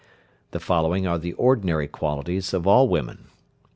The following are the ordinary qualities of all women, viz.